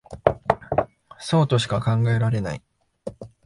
そうとしか考えられない